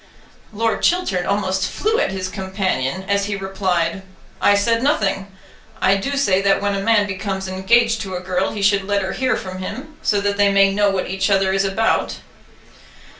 Lord Chiltern almost flew at his companion, as he replied, "I said nothing. I do say that when a man becomes engaged to a girl, he should let her hear from him, so that they may know what each other is about."